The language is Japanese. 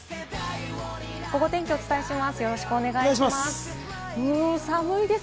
ゴゴ天気をお伝えします。